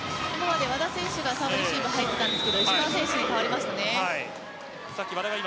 和田選手がサーブレシーブ入っていたんですけど石川選手に代わりましたね。